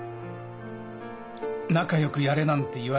「仲よくやれ」なんて言わないぞ。